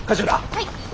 はい。